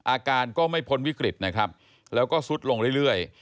อาการก็ไม่พ้นวิกฤตนะครับแล้วก็ซุดลงเรื่อย